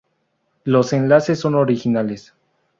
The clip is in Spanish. Los enlaces son originales